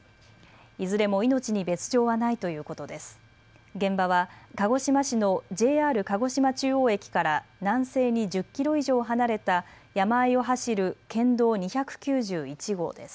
いずれも命に別状はないということです。